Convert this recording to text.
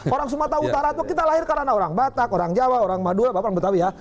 orang sumatera utara kita lahir karena orang batak orang jawa orang madura apa yang betul ya